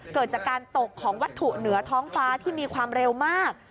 เกิดจากการตกของวัตถุเหนือท้องฟ้าที่มีความเร็วมาก